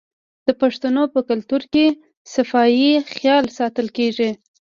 د پښتنو په کلتور کې د صفايي خیال ساتل کیږي.